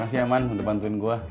makasih ya man untuk bantuin gue